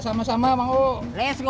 sumedang sumedang sumedang